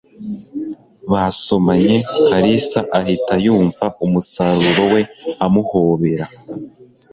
Basomanye, Kalisa ahita yumva umusaruro we amuhobera